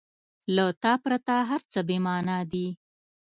• له تا پرته هر څه بېمانا دي.